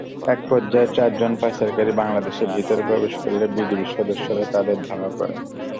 একপর্যায়ে চারজন পাচারকারী বাংলাদেশের ভেতরে প্রবেশ করলে বিজিবি সদস্যরা তাদের ধাওয়া করেন।